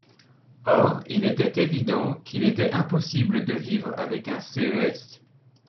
Or il était évident qu’il était impossible de vivre avec un CES.